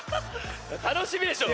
楽しみでしょう？